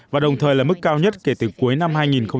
và đồng thời là mức cao nhất kể từ cuối năm hai nghìn một mươi tám